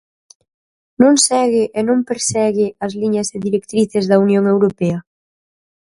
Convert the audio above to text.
¿Non segue e non persegue as liñas e directrices da Unión Europea?